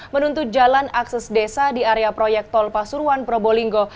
menuntut jalan akses desa di area proyek tol pasuruan probolinggo